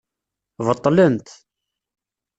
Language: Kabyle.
Beṭlent.